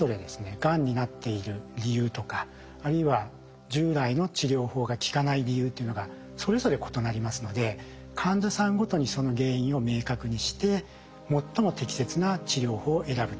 がんになっている理由とかあるいは従来の治療法が効かない理由というのがそれぞれ異なりますので患者さんごとにその原因を明確にして最も適切な治療法を選ぶと。